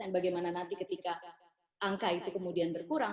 bagaimana nanti ketika angka itu kemudian berkurang